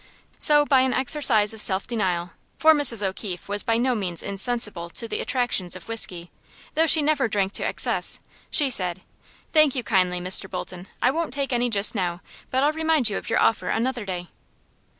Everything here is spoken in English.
So, by an exercise of self denial for Mrs. O'Keefe was by no means insensible to the attractions of whiskey, though she never drank to excess she said: "Thank you kindly, Mr. Bolton. I won't take any just now; but I'll remind you of your offer another day."